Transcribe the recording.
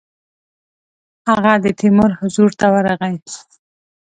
هغه د تیمور حضور ته ورغی.